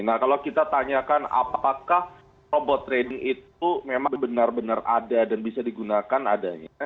nah kalau kita tanyakan apakah robot trading itu memang benar benar ada dan bisa digunakan adanya